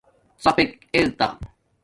ڎیپک ارتا